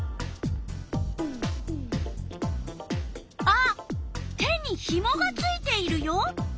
あっ手にひもがついているよ。